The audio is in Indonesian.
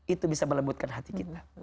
itu bisa melembutkan hati kita